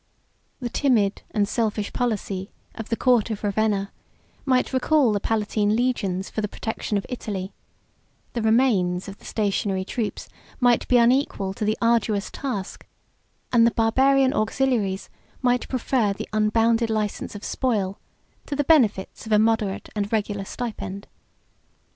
The timid and selfish policy of the court of Ravenna might recall the Palatine legions for the protection of Italy; the remains of the stationary troops might be unequal to the arduous task; and the Barbarian auxiliaries might prefer the unbounded license of spoil to the benefits of a moderate and regular stipend.